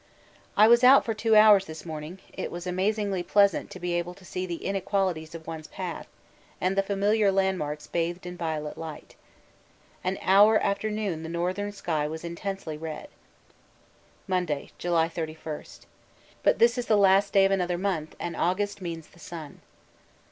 I was out for two hours this morning it was amazingly pleasant to be able to see the inequalities of one's path, and the familiar landmarks bathed in violet light. An hour after noon the northern sky was intensely red. Monday, July 31. It was overcast to day and the light not quite so good, but this is the last day of another month, and August means the sun.